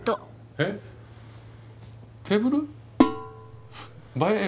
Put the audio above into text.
えっテーブル？ばえる？